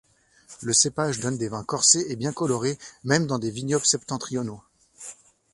Le cépage donne des vins corsés et bien colorés même dans des vignobles septentrionaux.